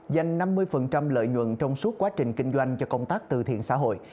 dành năm mươi lợi nhuận trong suốt quá trình kinh doanh cho công tác từ thiện xã hội